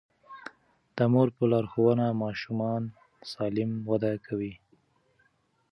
د مور په لارښوونه ماشومان سالم وده کوي.